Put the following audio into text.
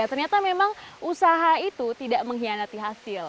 ternyata memang usaha itu tidak mengkhianati hasil